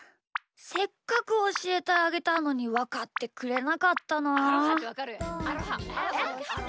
せっかくおしえてあげたのにわかってくれなかったなあ。